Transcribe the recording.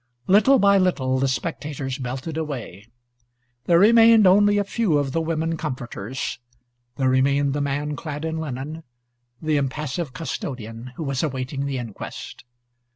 Little by little the spectators melted away. There remained only a few of the women comforters; there remained the man clad in linen, the impassive custodian, who was awaiting the inquest.